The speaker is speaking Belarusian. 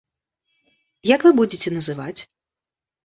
Як вы будзеце называць?